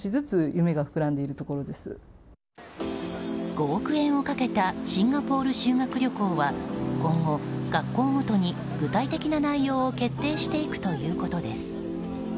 ５億円をかけたシンガポール修学旅行は今後、学校ごとに具体的な内容を決定していくということです。